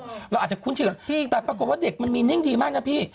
เราอาจจะคุ้นชินแต่ปรากฏว่าเด็กมันมีนิ่งดีมากนะพี่